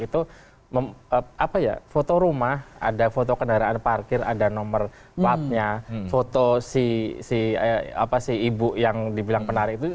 itu foto rumah ada foto kendaraan parkir ada nomor vat nya foto si ibu yang dibilang penari